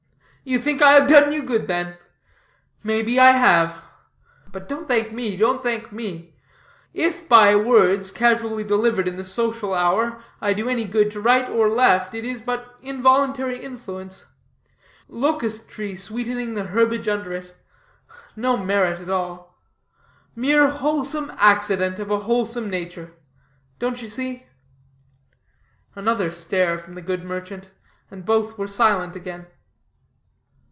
"You think I have done you good, then? may be, I have. But don't thank me, don't thank me. If by words, casually delivered in the social hour, I do any good to right or left, it is but involuntary influence locust tree sweetening the herbage under it; no merit at all; mere wholesome accident, of a wholesome nature. Don't you see?" Another stare from the good merchant, and both were silent again.